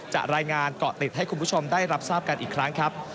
รายงานเกาะติดให้คุณผู้ชมได้รับทราบกันอีกครั้งครับ